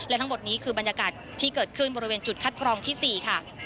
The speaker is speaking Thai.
และทั้งหมดนี้คือบรรยากาศที่เกิดขึ้นบริเวณจุดคัดกรองที่๔ค่ะ